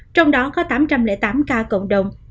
trong đó có tám trăm linh tám ca cộng đồng